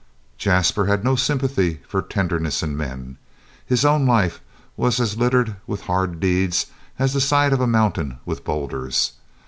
Jasper had no sympathy for tenderness in men. His own life was as littered with hard deeds as the side of a mountain with boulders.